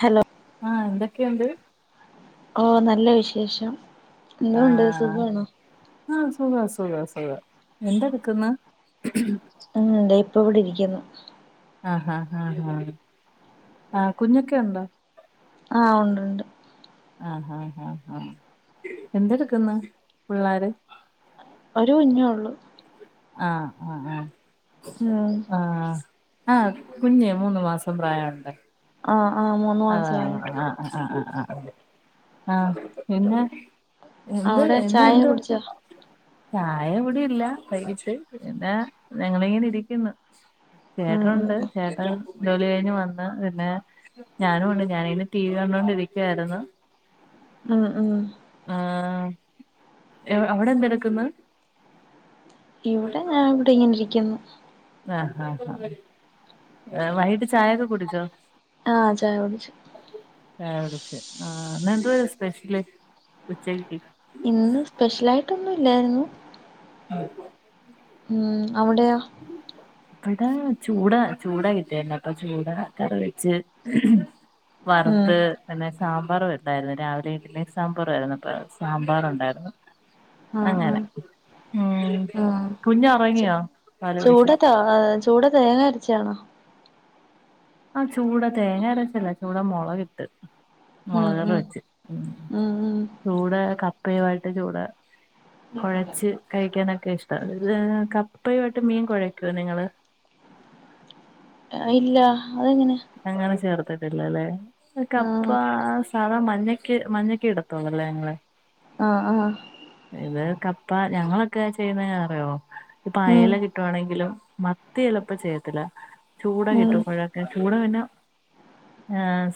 Hello ആഹ എന്തൊക്കെയുണ്ട്. ഓ നല്ലെ വിശേഷം ഇങ്ങു? ണ്ട് ആഹ് സുഖമാണോ ആഹ് അ സുഖാ സുഖാ സുഖാ എന്താഎട്ക് ന്നേ [unintelligible] ഇപ്പ ഇവിടെ ഇരിക്യുന്നു ആഹഹാ ആ ആഹ കുഞ്ഞൊക്കെ ഉണ്ടോ? ആ ഉൻണ്ടുണ്ട് ആഹഹാ ആആ എന്തെടുക്ക്ന്ന് പിള്ളേര് ഒരു കുഞ്ഞോ ഒള്ളൂ ആഹ ആഹ ഉം ആഹ ആഹ ആഹ കുഞ്ഞി മൂന്ന് മാസം പ്രായൊണ്ട് ആഹ് ആ മൂന്ന് ആഹ മാസമായിട്ട് ആ ആ ആ ആ ആ ആഹ് പിന്നെ എന്തൊരു അവിടെ എന്ന് ചായ എന്തു കുടിച്ചോ ചായ കുടിയില്ല വൈകിട്ട് പിന്നേ ഞങ്ങളിങ്ങനെ ഇരിക്യുന്നു ഉം ഉം ചേട്ടോണ്ട് ചേട്ടൻ ജോലികയിഞ്ഞു വന്ന് പിന്നെ ഞാനും ഉണ്ട് ഞാനിങ്ങനെ ടി. വി കണ്ടോണ്ടിരിക്കുവായിരുന്നു. അ അ ആ അവിടെ എന്തെടുക്ക്ന്ന് ഇവിടെ ഞാൻ അവിടെങ്ങനെ ഇരിക്യുന്നു ആഹ ആ ആവൈകിട്ട് ചായയൊക്കെ കുടിച്ചോ? ആഹ് ചായ കുടിച്ചു ആ ചായക്കുട്ച്ച് ആ ഇന്തേ സ്പെഷ്യലി ഉച്ചയ്ക്കി ഇന്ന് സ്പെഷ്യലായിട്ടൊന്നും ഇല്ലായിരുന്നു ഉമ് മ് അവിടെയോ ഇവടെ! ചൂടാ ചൂടാ കിട്ടിയർന്നെ അപ്പൊ ചൂടാ കറി വെച്ച് ഉം വർത്ത് പിന്നെ സാമ്പാറും വച്ചായിരുന്നു രാവിലെ ഇഡ്ഡലിസാമ്പാറു ആയിരുന്നുപ്പ സാമ്പാറുണ്ടായിരുന്നു ആഹ് അങ്ങനെ ആഹ് ഉ ആഹ് കുഞ്ഞ് ഉറങ്ങിയോ പാലടിച് ആ ആ തുടെ തേങ്ങ അരച്ചാണോ ആഹ ചൂട തേങ്ങര വെച്ചല്ല ചൂടാ മുളക് കിട്ട് ഉം മുളകറി ഉം വെച്ച് ഉ ഉം ഉം ചൂട കപ്പയുമായിട്ട് ചൂട കുഴച്ച് കഴിക്കാനൊക്കെ ഇഷ്ട കപ്പയുമായിട്ട് മീൻ കുഴയ്ക്കുവ നിങ്ങള് ഇല്ല അതെങ്ങനെ അങ്ങനെ ചേർത്തിട്ടില്ലല്ലേ കപ്പ ആഹ് സാധാ മഞ്ഞ മഞ്ഞക്കക്ക് ഇടത്തോളല്ലേ ഇങ്ങളെ ആഹ ആഹ ഇത് കപ്പ ഞങ്ങളൊക്കെ ചെയ്യുന്ന അറയോ ഇ ഉം പയല കി കിവാണെങ്കിലും മത്തി എളപ്പ ചെയ്യത്തില്ല ചൂട ഉം കിട്ടുമ്പഴ ചൂട് പിന്നെ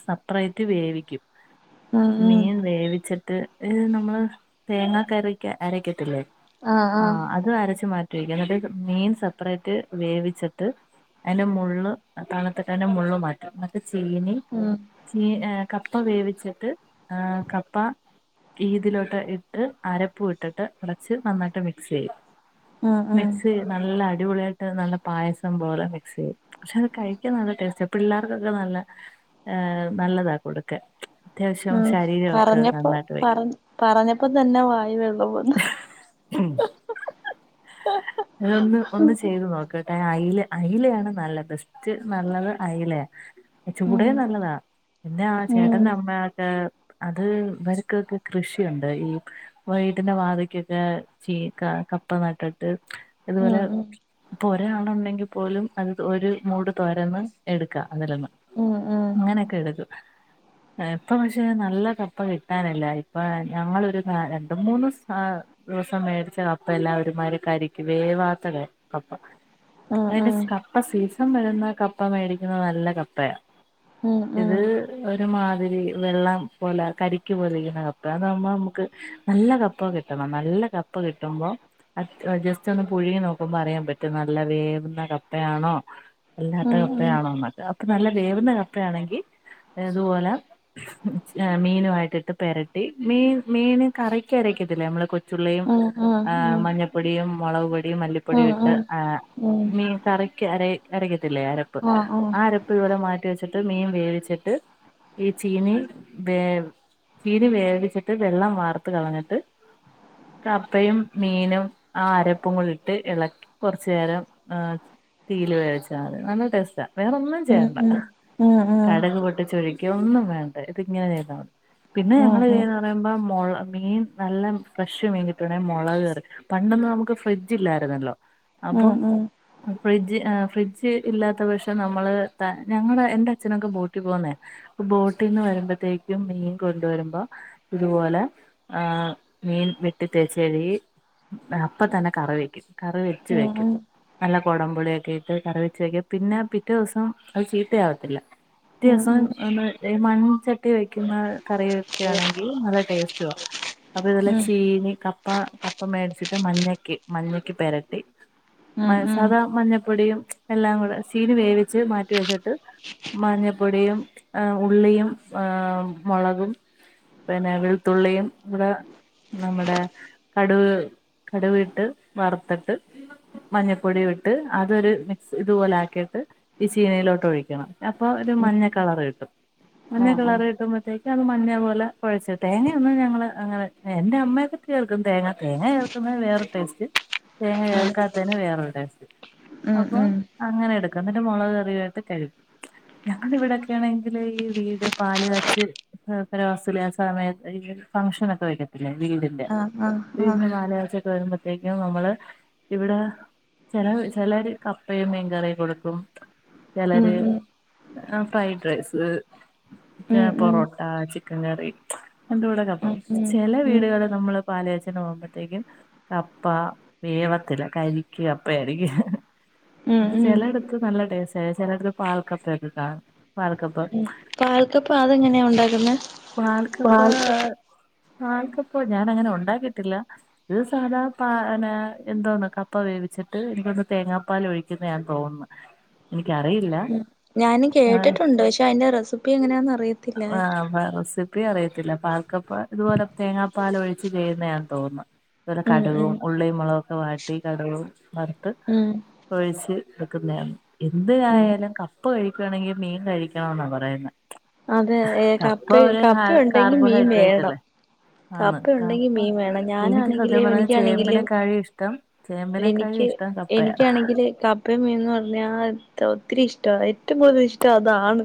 സപേററ്റ് വേവിക്കും ഉം ഉം മീൻ വേവിച്ചിട്ട് നമ്മള് തേങ്ങാ കറി അരക്കത്തില്ലേ ആഹ് ആഹ് ആഹ അത് അരച്ചു മാറ്റ എന്നിട്ട് മീൻ സെപ്പറേറ്റ് വേവിച്ചിട്ട് അതിന്റെ മള്ള് തണു അ തന്നെ മള്ു മാറ്റം ന്നിട്ട് ചീനി ഉം ചീ കപ്പ വേവിച്ചിട്ട് ആ കപ്പ ഈതിലോട്ട് ഇട്ട് അരപ്പൂ ഇട്ടിട്ട് അടച്ച് നന്നായിട്ട് മിക്സ് ചെയ്യും ഉം ഉം മിക്സ് യും നല്ല അടിപൊളിയായിട്ട് നല്ല പായസം പോലെ മിക്സ് െയ്യും പക്ഷെ അത് കഴി നല്ല ടേസ്റ്റ് പി പിള്ളേർക്കൊക്കെ നല്ല ഹ നല്ലതാ കൊടുക്ക ഉം പറഞ്ഞപ്പോ പറ പറഞ്ഞപ്പോ തന്നെ വായിൽവെള്ള വന്ന് ഉം ഇതൊന്ന് ഒന്ന് ചെയ്ത് നോക് അൽ അലയാണ് നല്ല ബെസ്റ്റ് നല്ലത് അലയ ഉം ചൂടയും നല്ലതാ പിന്നെ ആ ഉം ചേട്ടൻ്റെ അമ്മയ്ക്കെ അത് ഇവരക്കൊക്കെ കൃഷിയുണ്ട് ഈ വ വിടിന്റെ വാതയ്ക്കൊക്കെ ചീ ക കപ്പ നട്ടിട്ട് ഇതുപോലെ ഉം ഉം ഇപ്പോ ഒരാ ളുണ്ടെങ്കിൽ പോലും അത് ഒരു മൂഡ് തുോരന്ന് എടുക്കാ അതലൊന്ന് ഉം ഉം അങ്ങനെയൊക്കെ എടുക്കു ഇപ്പ പക്ഷെ നല്ല കപ്പ കിട്ടാനില്ല ഇപ്പൊ ഞങ്ങരു രണ്ട് മൂന്ന് സ് അ ദിവസം മേടിച്ച കപ്പ എല്ലാം ഒരുമാതിരി കരിക്ക് വേവാത്ത കപ്പ ഉം അതിന്റെ കപ്പ സീസൺ വരുന്ന കപ്പ മേടിക്കുന്നത് നല്ല കപ്പയാ ഉം ഉം ഇത് ഒരുമാതിരി വെള്ളം പോലെ കരിക്ക് പോലെരിക്കുന്ന കപ്പ അതാകുമ്പോൾ നമുക്ക് നല്ല കപ്പ കിട്ടും നല്ല കപ്പകിട്ടുമ്പോ അ ജസ്റ്റ് ഒന്ന് പുഴുകി നോക്കുമ്പോ അറിയൻ പറ്റും നല്ല വേവുന്ന കപ്പയാണോ ഉം ല്ലാത്ത ഉം ഉം ഉം കപ്പയാണോ എന്നെ അപ്പൊ നല്ല വേവുന്ന കപ്പയാണെങ്കിൽ ഇതുപോലെ മീനുമായിട്ടിട്ട് പരട്ടി മീൻ മീൻ കറിക്കരക്കത്തില്ലെനമ്മള് കൊച്ചുള്ളിയും ഉം ആ് ഉം മഞ്ഞൾപ്പൊടിയും മുളക് പൊടി മല്ലിപൊടി ഉം ഇട്ട് ഉം അ ഉം മീൻ കറിക്ക് അര അരക്കത്തില്ലേ അരപ്പ് ആഹ് ആഹ് ആ അരപ്പ് ഉപലെ മാറ്റി വെച്ചിട്ട് മീൻ വേവിച്ചിട്ട് ഈ ചീനി വേ ചിരി വേവിച്ചിട്ട് വെള്ളം വാർത്ത് കളഞ്ഞിട്ട് കപ്പയും മീനും ആ അരപ്പും കൂടി ഇട്ട് ഇളക്കി കുറച്ചേരം ഏ. തീയിൽ വേവിച്ചാൽ മതിനല്ല ടേസ്റ്റാ വേറൊന്നും ഉം ചെയ്യണ്ട ഉം ഉം കടുക് പൊട്ടിച്ചൊ ഒഴി ഒന്നും വേണ്ട ഇത് ഇങ്ങനെ ചെയ്ത പിന്നെ ഉം ഞങ്ങള്ൾ ഉം ചെയ്ത പറ്പ മുള മീൻ നല്ല ഫ്രഷ് മീണ്ടിട്ടുണ്ടെ മുളക് കയറി പണ്ടെന്ന് നമുക്ക് ഫ്രിഡ്ജ് ഇല്ലായിരുന്നല്ലോ ഉം ഉം ഉം ഉം ഉം ഉം ഉം അപ്പം ഫ്രിഡ്ജ് ഫ്രിഡ്ജ് ഇല്ലാത്ത പക്ഷെ നമ്മള് ഞങ്ങളടെ എന്റെ അച്ഛനൊക്കെ ബോട്ടി പോകുന്നേയാ ബോട്ടിൽന്ന് വരുമ്പോത്തേക്കും മീൻ കൊണ്ടുവരുമ്പോ ഇതുപോലെ ആ മീൻ വെട്ടി തേച്ച്കഴുവി അപ്പ തന്നെ കറി വെക്കും കറി വെച്ച് വെക്കും നല്ല കുടംപൊളിയൊക്കെ ഇട്ട് കറി വെ വെക്കും പിന്നെ പിറ്റേ ദിവസം അത് ചീത്തയാവത്തില്ല പിറ്റേ ഉം ഉം ദിവസം ഉം ഉം ഒന്ന് തെ മൺചട്ടി വെക്കുന്ന കറിയൊക്കെ ആണെങ്കിൽ നല്ല ടേസ്റ്റുവാ അതുപോലെ ചീനി കപ്പ കപ്പ മേടിച്ചിട്ട് മഞ്ഞക്ക് മഞ്ഞക്ക് പെരട്ടി മ സാദാ മഞ്ഞപ്പൊടിയും എല്ലാം കൂടെ ചീനി വേവിച്ച് മാറ്റിവെച്ചിട്ട് മഞ്ഞപ്പൊടിയും ഉള്ളിയും മുളകും പിന്നെ വെളുത്തുള്ളിയും കുട നമ്മുടെ കടുവ് കടുവിട്ട്‌ വറുത്തിട്ട് മഞ്ഞപ്പൊടി ഇട്ട് അതൊരു മിക്സ് ഇതുപോലെ ആക്കിട്ട് ഈ ചീനയിലോട്ട് ഒഴിക്കണം അപ്പൊ ഒരു മഞ്ഞ കളർ കിട്ടും മഞ്ഞ ആഹ് ആഹ് കളറ് കിട്ടുമ്പോത്തേ അത് മഞ്ഞേ പോലെ കൊഴച്ച് തേങ്ങയൊനും ഞങ്ങൾ അങ്ങനെ എന്റെ അമ്മയൊക്കെ ചേർക്കും തേങ്ങ തേങ്ങ ചേ വേറൊര ടേസ്റ്റ് തേങ്ങ അതെ അതെ ചേർക്കാത്തേന് വേറൊരു ടേസ്റ്റ് ഉം അപ്പം ഉം അങ്ങനെ എടുക്കും എന്നിട്ട് മുളക് കറിയായിട്ട് കഴി ഞങ്ങ ഇവിടെൊക്കെയാണെങ്കില് ഈ വീട് പാല് കാച്ച് പെരവാസ്ത്തോലി ആ സമയത്ത് ഫങ്ങ്ഷൻ ഒക്കെ വെക്കത്തിലെ വീടിന്റെ ആഹ് ആഹ് ആഹ് വീടിന്റെ മാലയാഴ്ച്ചൊക്കെ വര്മ്പ തെയ്ക്കും നമ്മള് ഇവിടെ ചില ചിലര് കം പെമ് മീൻകറിം കൊടുക്കും ഉം ചിലര് ഉം ഫ്രൈഡ് റൈസ് ഉം ഉം പൊറോട്ട ചിക്കൻ കറി [unintelligible] കൂടെ കപ്പ ഉം ഉം ചില വീടുകൾ നമ്മള് പാലാച്ചിന് പോകുമ്പോഴത്തേക്കും കപ്പ വേവത്തില്ല കരിക്ക് കപ്പ ആയിരിക്കും ഉം ഉം ചിലടത്ത് നല്ല ടേസ്റ്റാ ആയ ചില ഇടത്ത് പാൽക്കപ്പൊക്കെ കാണും പാൽക്കപ്പാ പാൽക്കപ്പ അതെങ്ങനെയാ ഉണ്ടാക്കുന്നെ പാൽക്കപ്പ പാൽക്കപ്പം പാൽക്കപ്പ ഞാൻ അങ്ങനെ ഉണ്ടാക്കിട്ടില്ല ഇത് സാധാ പ എന്തോന്ന് കപ്പ വേവിച്ചിട്ട് എന്തോന്ന് തേങ്ങാപ്പാൽ ഒഴിക്ക ക്കുന്നയാന്ന് തോന്നുന്നു എനിക്കറിയില്ല ഉം ഞാനും ആഹ് കേട്ടിട്ടുണ്ട് പക്ഷെ അതിന്റെ റെസിപ്പി എങ്ങനെയാന്ന് അറിയത്തില്ല ആ റെസി പ്പി അറിയത്തില്ല പാൽക്കപ്പ ഇതുപോലെ തേങ്ങാപ്പാലൊഴിച്ച് ചെയ്യുന്ന ആന്ന് തോന്നുന്ന് അതുപോലെ ഉം കടുവും ഉം ഉള്ളിം മുളകും ഒക്കെ വാട്ടി കടുവും വറുത്ത് ഉം ഒഴിച്ച് വെക്കുന്നയാ എന്ത് ഉം കായലും കപ്പ കഴിക്കുവാണേക്കിൽ മീൻ കഴിക്കണമെന്നാ പറയു ന്ന അതെ ഏ കപ്പ കപ്പണ്ടെങ്കി മീൻ കാർബോഹൈഡ്രേറ്റ് വേണം അല്ലേ കപ്പ ഉണ്ടെങ്കി മീൻ വേണം എനിക്ക് ഞാനാണെങ്കിലേ സത്യം പറഞ്ഞാ എനിക്കാണെങ്കിലും ചേമ്പിനെക്കാഴും ഇഷ്ടം ചേമ്പിനെക്കാഴും എനിക്ക് ഇഷ്ടം കപ്പയാ എനിക്കാണെങ്കില് കപ്പ ഇപ്പ മീന്ന് പറഞ്ഞ ഒത്തിരി ഇഷ്ട ഏറ്റവും കൂടുതൽ ഇഷ്ടം അതാണ്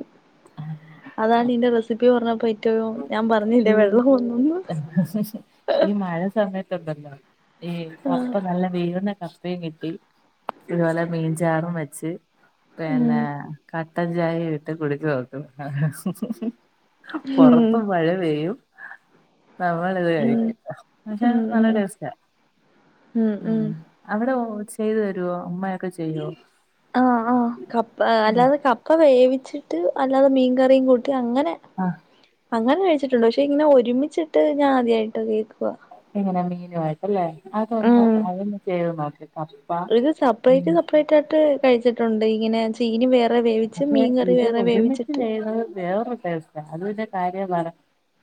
അതാണ് ഇന്റെ റെസിപ്പി പറഞ്ഞപ്പോ ഏറ്റവും ഞാൻ പറഞ്ഞില്ലേ വെള്ളം ഒന്നൊഎന്ന് ഈ മഴ സമയത്തുണ്ടല്ലോ ഈ കപ്പ ആഹ് നല്ല വേവുന്ന കപ്പ കപ്പയും കിട്ടി ഇപോലെ മീൻചാറും വെച്ച് ഉം പിന്നെ ക കട്ടൻ ചായ ഇട്ട് കുടിച്ചു നോക്കും ഉം പൊറത്ത് മഴ പെയ്യും നമ്മളിത് ഉം കഴിക്കും പക്ഷേ ഉം ഉം നല്ല ടേസ്റ്റാ ഉം ഉം അവിടെ ഹോൾസെയിൽ തരുവോ അമ്മയൊക്കെ ചെയ്യുവോ ആഹ് ആഹ് കപ്പ അല്ലാതെ കപ്പ വേവിച്ചിട്ട് അല്ലാതെ മീൻകറിയും കൂട്ടി അങ്ങനെ ആ അങ്ങനെ കഴിച്ചിട്ടുണ്ട് പക്ഷെ ഇങ്ങനെ ഒരുമിച്ചിട്ട് ഞാൻ ആദ്യയിട്ട് കേൾക്കുവാ എങ്ങനെ മീനു ആയിട്ടല്ലേ അതൊന്ന് ഉം അതൊന്ന് ചെയ്ത് നോക്കിക്കാ ഇത് സെപ്പറേറ്റ് സെപ്പറേറ്റ് ആയിട്ട് കഴിച്ചിട്ടുണ്ട് ഇങ്ങനെ ചീനി വേ പക്ഷെ ഇത് ഒരുമിച്ച് ചെയ്യത് വേറൊരു അതിന്റെ കാര്യമാണ്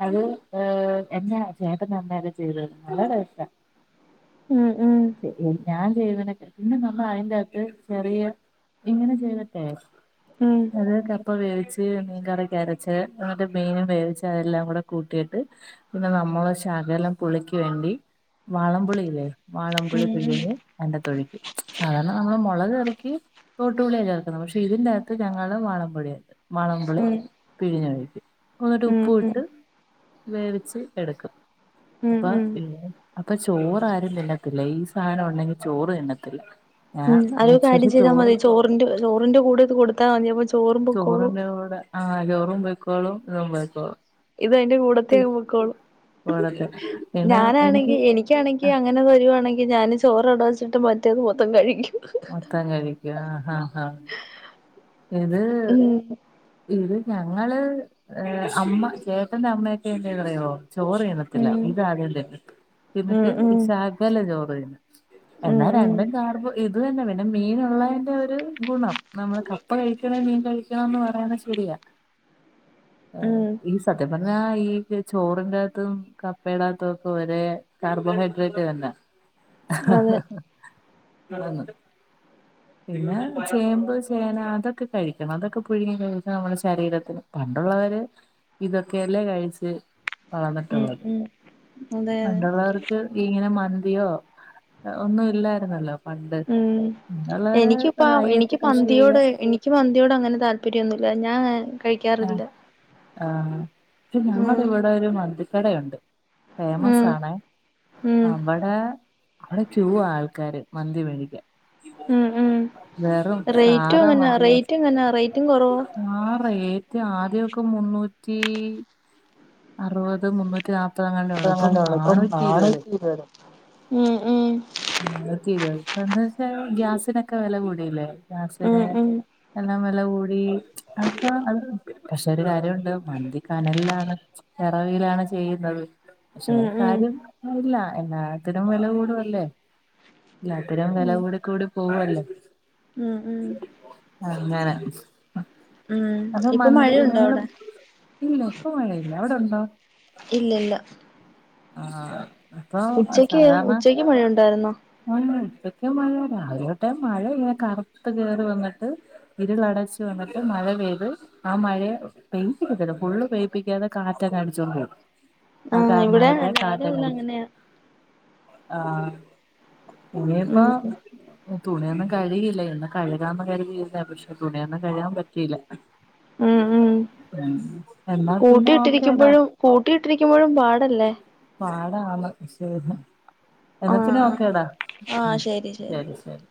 അത് ഏ എന്നാ ചേട്ടൻ നന്നെ ചെയ്തത് നല്ല ടേസ്റ്റ ഉം ഉം ഞാൻ ചെയ്വനക്ക പിന്നെ നമ്മൾ അതിന്റെ അകത്ത് ചെറിയ ഇങ്ങനെ ചെയ്തിട്ടെ ആഹ് അത് കപ്പ വേവിച്ച് മീൻ കറിക്ക് അരച്ച് എന്നട്ടെ മീനും വേവിച്ചെ അതെല്ലാം കൂടെ കൂട്ടിയിട്ട് പിന്നെ നമ്മള് ശകലം പുളിക്ക് വേണ്ടി വാളംപൊളിയില്ലേ വാളൻപുളി ഉം പിഴിഞ്ഞ് എന്റെ തൊഴിക്കും സാധാരണ നമ്മള് മുളക് കറിക്കി തോട്ടുപളിയാണ് ചേർക്കുന്നത് പക്ഷെ ഇതിന്റെകത്ത് ഞങ്ങള് വാളമ്പുളി ഇടും മളമ്പിളി ഉം പിഴിഞ്ഞ് കഴക്കൂ എന്നിട്ട് ഉം ഉപ്പ് ഉം ഇട്ട് വേവിച്ച് എടുക്കും ഉം അപ്പൊ ഉം അപ്പൊ ചോറാരും പിന്നെ ത്തില്ല ഈ സാധനം ഉണ്ടെങ്കിൽ ചോറ് തിന്നത്തില്ല ഞാൻ ഉം അതൊരു കാര്യം പക്ഷെ ചെയ്താൽ ചോറ് മതി ചോറിന്റെ ചോറിന്റെ കൂടെ ഇത് കൊടുത്താ മതി അപ്പൊ ചോറും പൊക്കോളും ആഹ് ചോറും പോയ്ക്കോളും ഇതും പോയ്ക്കോളും ഇത് അയ്ന്റെ കൂടെത്തേ പോയ്ക്കോളൂ കൂടത്തെ പിന്നെ ഞാനാണെങ്കിൽ എനിക്ക് ക്കണെങ്കിൽ ആ അങ്ങനെ വരുവാണെങ്കിൽ ഞാന് ചോറവ്ട വച്ചിട്ട് മറ്റേത് മൊത്തം കഴിക്കും മൊത്തം കഴിക്കു ആഹ് ആഹ് ഇത് ഉം ഇത് ഞങ്ങള് ങ് അമ്മ ചേട്ടന്റെ അമ്മയൊക്കെ എങ്ങനെ അറിയോ ചോറ് [unintelligible] ത്തില്ല ഉം ഇത ആദ്യന്നെ ഉം ന്നിട്ട് ഈ ഉം ശകല ചോറ്ന്ന് എന്നാ ഉം ഉം രണ്ടും കാർബോ ഇത് തന്നെ പിന്നെ മീന്ള്ളെന്റെ ഒരു ഗുണം നമ്മള് പ്പ കഴിക്കണെ മീൻ കഴിക്കണെന്ന് പറയ്ണ ശരിയാ ഉം സത്യം പറഞ്ഞാ ഈ ചോറിന്റകത്തും കപ്പയുടെകത്തും ഒക്കെ ഒരേ കാർബോഹൈഡ്രേറ്റ് തന്നെ ഉ ആ തുന്നു പിന്നെ ചേമ്പ് ചേന അതൊക്കെ കഴിക്കണം അതൊക്കെ പുഴുങ്ങി കഴഞ്ഞ നമ്മുടെ ശരീരത്തിന് പണ്ടുള്ളവര് ഇതൊക്കെയല്ലേ കഴിച്ച് ഉം വളന്നിട്ടുള്ളത് ഉം അതെ അതെ പണ്ടുള്ളവർ ഇങ്ങനെ മന്തിയോ ഒന്നും ഇല്ലായിരുന്നല്ലോ പണ്ട് ഉം എന്നുള്ളരു യ്യത്ത് കൃഷി ചെയ്യ ക്ക് മന്തിയോട് അങ്ങനെ താല്പര്യമൊന്നുമില്ല ഞാൻ ആ കഴിക്കാറില്ല ആഹ് പ ഉം ഞങ്ങുടെ ഇവിടെ ഒരു മന്തിക്കടയുണ്ട് ഫേമസ് ഉം ആണെ ഉം [unintelligible] അവിടെക്കെ ആൾക്കാര് മന്തി മേടിക്കാൻ ഉം ഉം വെറും റേറ്റും സാധാ എങ്ങനെ മന്തി കഴിച്ച് റേറ്റ് എങ്ങനെ റേറ്റും കൊറവാ ആദ്യൊക്കെ മുന്നൂറ്റി അറുപത് മുന്നൂറ്റി നാ പ്പതങ്ങാണ്ടെ ഒള്ളൂ ഇപ്പം [unintelligible] ഉം ഉം [unintelligible] ന്താ വെച്ചാല് ഗ്യാസിനൊക്കെ വില കൂടില്ലേ സിന ഉം ഉം എല്ലാം വല്ല കൂടി അക്കെ അ പക്ഷെ ഒരു കാര്യണ്ട് മന്തി കനലിലാണ് കറവിലാണ് ചെയ്യുന്നത് പക്ഷേ ഉം ഉം കാര്യം ഇല്ല എല്ലാത്തിനും വില കൂടുവല്ലേ ഇല്ല അത്തരം വില ഉം കൂടി കൂടി പോവല്ലേ ഉം ഉം അങ്ങനെ ഉം അപ്പൊ ഇപ്പൊ മന്തി മഴയുണ്ടോ നിങ്ങള് അവിടെ ഇല്ല ഇപ്പ മഴയില്ല എവിടെ ഉണ്ടോ? ഇല്ലല്ല ആഹ് ഉച്ചക്ക് ഉച്ചക്ക് മഴ ഉണ്ടായിരുന്നോ? ഉം മഴ ഇപ്പക്ക മഴ രാവിലെോട്ടേ മഴ ഇങ്ങനെ കറുത്ത് കേറി വന്നിട്ട് ഇരുൾടച്ചു വന്നപ്പോ മഴ പെയ്തു ആ മഴയ പെയ്യപ്പിക്കല്ല ഫുള്ള് പെയപ്പിക്കാതെ കാറ്റങ്ങ് അടിച്ചോണ്ട് പോയി അതാ ആഹ് ഇവിടെ രാവിലെ മഴൊക്കങ്ങട്ടെന്നെ മുതൽ പോയി അങ്ങനെയാ ആഹ ഇനി ഉം പ്പോ തുണിയൊന്നും കഴുകയില്ല ഇന്ന് കഴുകാന്ന് കരുതിയിരിന്ന പക്ഷെ തുണിയൊന്നും കഴിയാൻ പറ്റിയില്ല ഉം ഉം ഉം എന്നാ പിന്നെ ഓക്കേടാ കൂട്ടിയിട്ടിരിക്കുമ്പോഴും കൂട്ടിയിട്ടിരിക്കുന്നതും പാടല്ലേ പാടാണ് ശരി ആഹ് ആഹ് എന്നാപിന്നെകെടാ ഉം ശരി ശരി